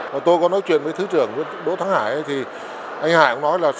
và tôi có nói chuyện với thứ trưởng đỗ thắng hải thì anh hải cũng nói là